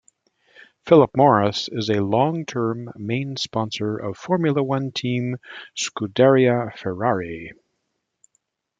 Philip Morris is a long-term main sponsor of Formula One team Scuderia Ferrari.